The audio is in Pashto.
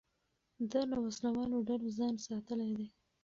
ده له وسلهوالو ډلو ځان ساتلی دی.